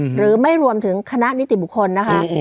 หรือไม่รวมถึงคณะนิติบุคคลนะคะ